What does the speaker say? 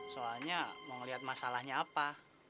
soalnya mau lihat masalahnya apa